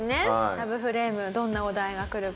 ラブフレームどんなお題がくるか。